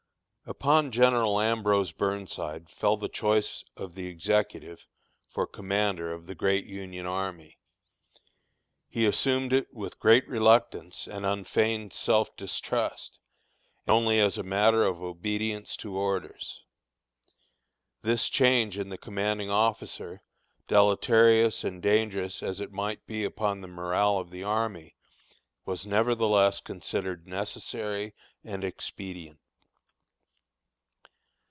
Upon General Ambrose Burnside fell the choice of the Executive for commander of the great Union army. He assumed it with great reluctance and unfeigned self distrust, and only as a matter of obedience to orders. This change in the commanding officer, deleterious and dangerous as it might be upon the morale of the army, was nevertheless considered necessary and expedient.